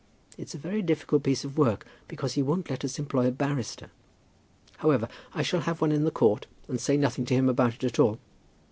It's a very difficult piece of work, because he won't let us employ a barrister. However, I shall have one in the court and say nothing to him about it at all.